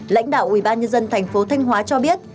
lãnh đạo ubnd thành phố thanh hóa cho biết